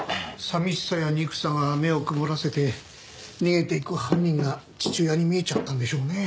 寂しさや憎さが目を曇らせて逃げていく犯人が父親に見えちゃったんでしょうね。